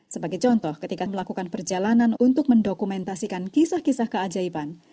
sebagai contoh ketika melakukan perjalanan untuk mendokumentasikan kisah kisah keajaiban